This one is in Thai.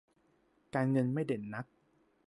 การเงินไม่เด่นนัก